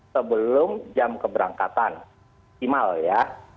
sebelum jam keberangkatan minimal ya